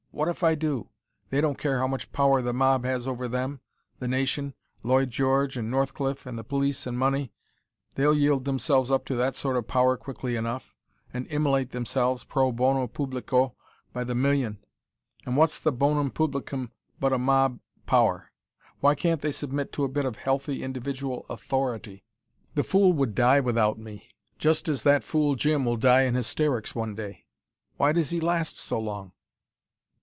What if I do? They don't care how much power the mob has over them, the nation, Lloyd George and Northcliffe and the police and money. They'll yield themselves up to that sort of power quickly enough, and immolate themselves pro bono publico by the million. And what's the bonum publicum but a mob power? Why can't they submit to a bit of healthy individual authority? The fool would die, without me: just as that fool Jim will die in hysterics one day. Why does he last so long!